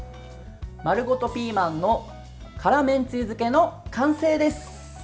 丸ごとピーマンの辛めんつゆ漬けの完成です。